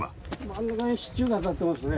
真ん中に支柱が立ってますね。